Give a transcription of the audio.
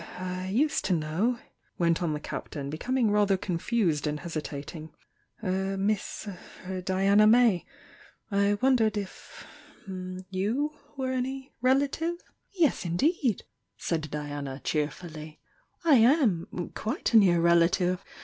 "I used to know," went on the Captain, becom ing rather confused and hesitating— "a Miss Diana May— I wondered if you were any relative ?" THE YOUNG DIANA 345 "Yes, indeed!" said Diana, cheerfully — "I am! — quite a near relative!